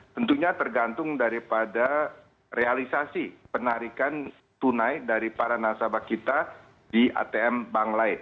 tentunya tergantung daripada realisasi penarikan tunai dari para nasabah kita di atm bank lain